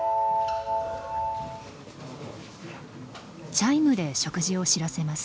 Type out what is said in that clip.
チャイムで食事を知らせます。